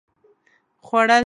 خوړل د روغ سړي خوښي ده